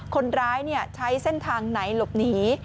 คนร้ายใช้เส้นทางไหนหลบหนี